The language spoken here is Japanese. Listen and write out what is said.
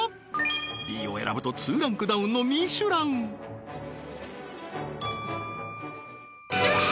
Ｂを選ぶと２ランクダウンのミシュランよっしゃー！